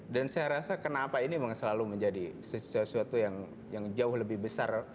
dan saya rasa kenapa ini memang selalu menjadi sesuatu yang jauh lebih besar